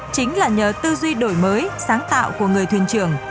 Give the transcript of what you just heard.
chính là nhờ tư duy đổi mới sáng tạo của người thuyền trưởng